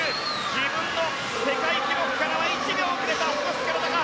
自分の世界記録からは１秒遅れた少し疲れたか。